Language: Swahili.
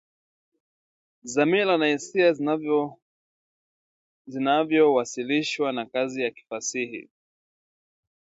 dhamira na hisia vinavyowasilishwa na kazi ya kifasihi